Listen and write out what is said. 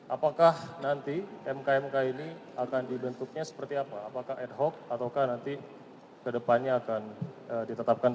apakah nanti mk mk ini akan dibentuknya seperti apa apakah ad hoc atau nanti kedepannya akan ditetapkan